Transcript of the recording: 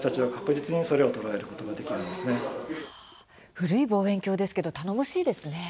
古い望遠鏡ですけれども頼もしいですね。